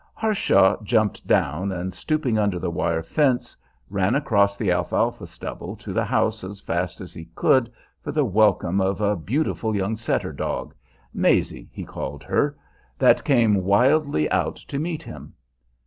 Harshaw jumped down, and, stooping under the wire fence, ran across the alfalfa stubble to the house as fast as he could for the welcome of a beautiful young setter dog Maisie he called her that came wildly out to meet him.